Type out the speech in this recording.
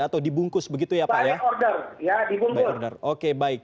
atau dibungkus begitu ya pak ya